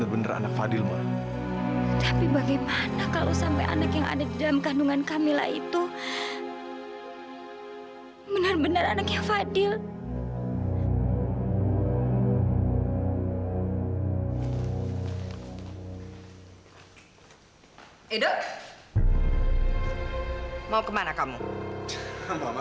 berapapun yang akan ibu bayar kepada saya